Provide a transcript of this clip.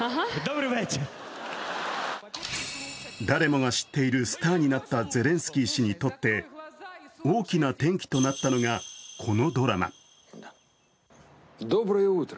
誰もが知っているスターになったゼレンスキー氏にとって大きな転機となったのがこのドラマ。